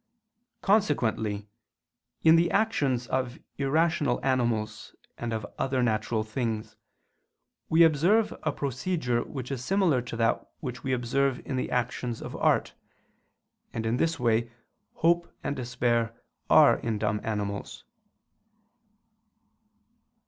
Consequently, in the actions of irrational animals and of other natural things, we observe a procedure which is similar to that which we observe in the actions of art: and in this way hope and despair are in dumb animals.